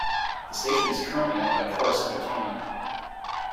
The station is currently owned by Corus Entertainment.